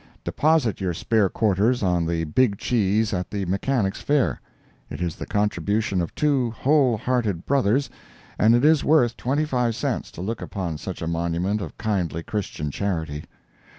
Deposit your spare quarters on the big cheese at the Mechanics' Fair. It is the contribution of two whole hearted brothers, and it is worth twenty five cents to look upon such a monument of kindly Christian charity.